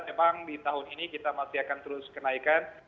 memang di tahun ini kita masih akan terus kenaikan